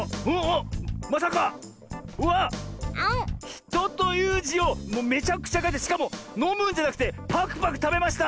「ひと」というじをもうめちゃくちゃかいてしかものむんじゃなくてパクパクたべました。